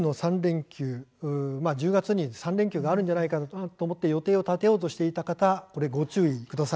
１０月に秋の３連休があるのではないかと予定を立てようとしていた方ご注意ください。